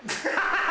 ハハハ！